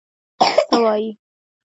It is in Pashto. څه وايې؟